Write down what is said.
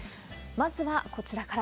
まずはこちらから。